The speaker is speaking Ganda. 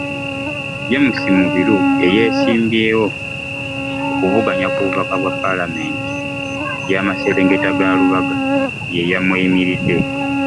James Mubiru eyeesimbyewo okuvuganya ku bubaka bwa palamenti yamaserengeta ga Lubaga yeyamweyimiridde.